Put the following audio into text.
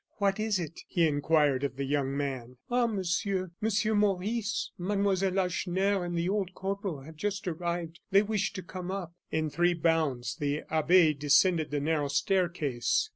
"What is it?" he inquired of the young man. "Ah! Monsieur, Monsieur Maurice, Mademoiselle Lacheneur and the old corporal have just arrived; they wish to come up." In three bounds the abbe descended the narrow staircase.